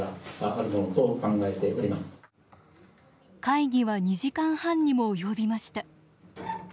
会議は２時間半にも及びました。